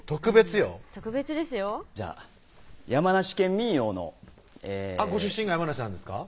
特別よじゃあ山梨県民謡のご出身が山梨なんですか？